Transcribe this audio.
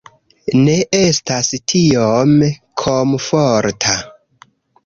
Ne estas tiom komforta